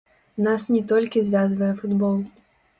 Нас не толькі звязвае футбол.